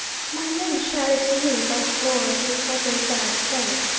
My men shouted to me above the roar that it was "a bad place."